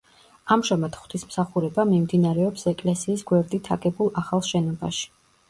ამჟამად ღვთისმსახურება მიმდინარეობს ეკლესიის გვერდით აგებულ ახალ შენობაში.